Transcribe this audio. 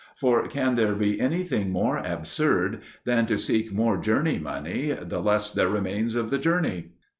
For can there be anything more absurd than to seek more journey money, the less there remains of the journey?